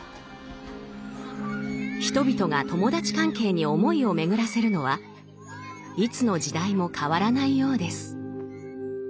人々が友達関係に思いを巡らせるのはいつの時代も変わらないようです。